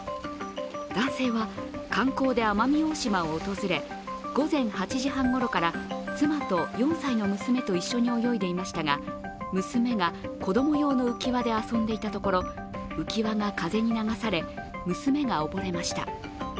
男性は観光で奄美大島を訪れ午前８時半ごろから妻と４歳の娘と一緒に泳いでいましたが娘が子供用の浮き輪で遊んでいたところ浮き輪が風に流され、娘が溺れました。